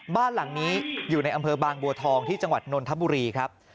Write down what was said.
บ้านหลังนี้อยู่ในอำเภอบางบัวทองที่จังหวัดนนทบุรีครับ